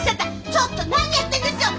ちょっと何やってんですよ！